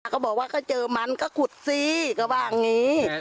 ก็บอกว่าก็เจอมันก็ขุดสิก็ว่าอย่างนี้